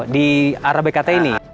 di arah bkt ini